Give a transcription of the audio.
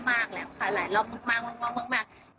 ไม่หลายรอบมากแล้วค่ะหลายรอบมากมาก